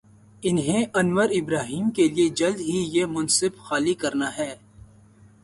انہیں Anwar Ibrahim کے لیے جلد ہی یہ منصب خالی کر نا ہے۔